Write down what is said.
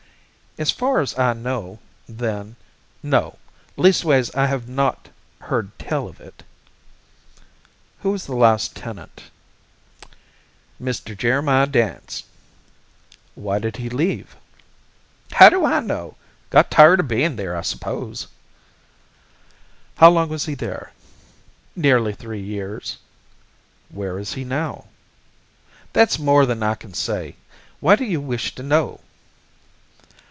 "As far as I know, then, no; leastways, I have not heard tell of it." "Who was the last tenant?" "Mr. Jeremiah Dance." "Why did he leave?" "How do I know? Got tired of being there, I suppose." "How long was he there?" "Nearly three years." "Where is he now?" "That's more than I can say. Why do you wish to know?"